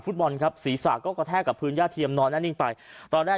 บอลครับศีรษะก็กระแทกกับพื้นย่าเทียมนอนแน่นิ่งไปตอนแรก